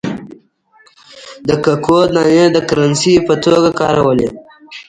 د ککو دانې د کرنسۍ په توګه کارولې.